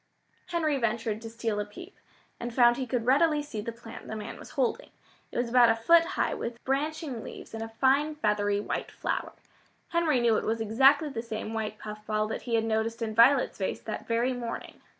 Henry ventured to steal a peep, and found he could readily see the plant the man was holding. It was about a foot high with branching leaves and a fine feathery white flower. Henry knew it was exactly the same white puffball that he had noticed in Violet's vase that very morning.